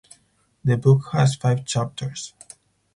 The book has five chapters.